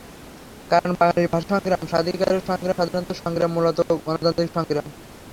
কারণ বাঙালির ভাষার সংগ্রাম, স্বাধিকারের সংগ্রাম, স্বাধীনতার সংগ্রাম মূলত গণতান্ত্রিক সংগ্রাম।